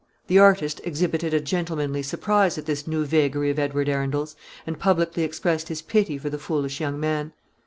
The artist exhibited a gentlemanly surprise at this new vagary of Edward Arundel's, and publicly expressed his pity for the foolish young man.